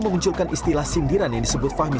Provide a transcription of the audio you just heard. memunculkan istilah sindiran yang disebut fahmi